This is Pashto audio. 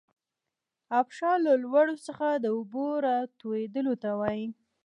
ابشار له لوړو څخه د اوبو راتویدلو ته وايي.